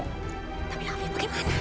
tapi kak fief bagaimana